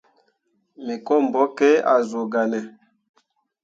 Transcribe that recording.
Me ko mbwakke ah zuu gahne.